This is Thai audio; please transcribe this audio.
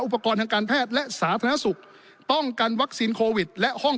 ทางการแพทย์และสาธารณสุขป้องกันวัคซีนโควิดและห้อง